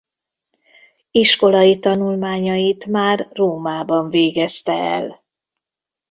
Iskolai tanulmányait már Rómában végezte el.